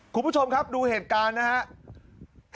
คุณผู้ชมครับดูเหตุการณ์นะครับ